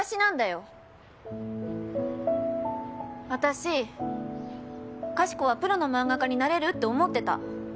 私かしこはプロの漫画家になれるって思ってた。